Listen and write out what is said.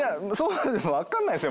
分かんないですよ